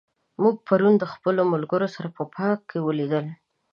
موږ پرون د خپلو ملګرو سره په پارک کې ولیدل.